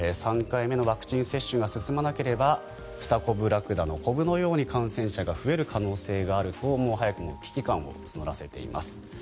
３回目のワクチン接種が進まなければフタコブラクダのこぶのように感染者が増える可能性があると早くも危機感を募らせています。